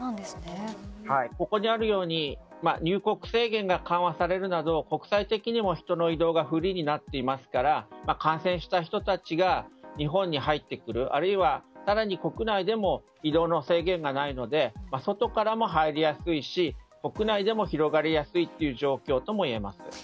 ここにあるように入国制限が緩和されるなど国際的にも、人の移動がフリーになっていますから感染した人たちが日本に入ってくるあるいは更に、国内でも移動の制限がないので外からも入りやすいし、国内でも広がりやすい状況ともいえます。